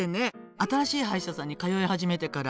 新しい歯医者さんに通い始めてから。